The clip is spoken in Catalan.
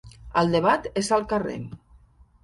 El debat és al carrer.